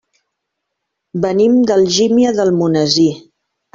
Venim d'Algímia d'Almonesir.